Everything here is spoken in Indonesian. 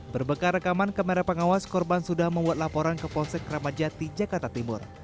berbekal rekaman kamera pengawas korban sudah membuat laporan ke polsek ramadjati jakarta timur